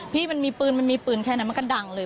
พี่มันมีปืนมันมีปืนแค่นั้นมันก็ดังเลย